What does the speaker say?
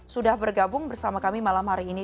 sudah bergabung bersama kami malam hari ini